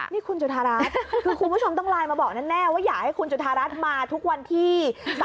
นี่คุณจุธารัฐคือคุณผู้ชมต้องไลน์มาบอกแน่ว่าอยากให้คุณจุธารัฐมาทุกวันที่